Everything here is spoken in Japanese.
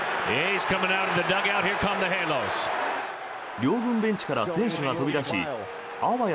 両軍ベンチから選手が飛び出しあわや